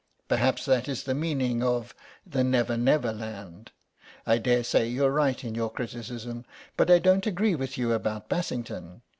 Perhaps that is the meaning of the 'Never never Land.' I daresay you're right in your criticism, but I don't agree with you about Bassington.